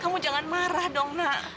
kamu jangan marah dong nak